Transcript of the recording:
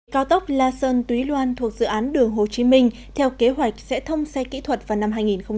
cao tốc la son tuy loan thuộc dự án đường hồ chí minh theo kế hoạch sẽ thông xe kỹ thuật vào năm hai nghìn một mươi tám